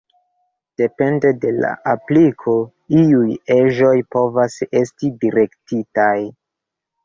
Depende de la apliko, iuj eĝoj povas esti direktitaj.